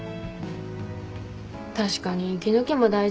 確かに息抜きも大事だよね。